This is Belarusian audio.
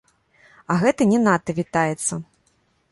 А гэта не надта вітаецца.